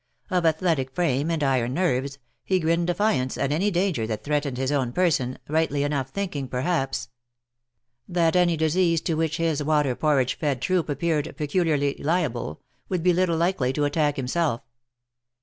Of athletic frame, and iron nerves, he grinned defiance at any danger that threatened his own person, rightly enough thinking, perhaps, that any disease to which his water porridge fed troop appeared peculiarly liable, would be little likely to attack himself.